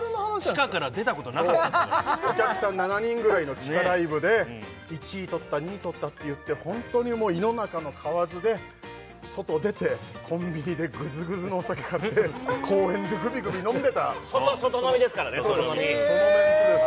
地下から出たことなかったんだからお客さん７人ぐらいの地下ライブで１位とった２位とったって言って本当にもう井の中のかわずで外出てコンビニでグズグズのお酒買って公園でグビグビ飲んでた外飲みですからね外飲みそのメンツです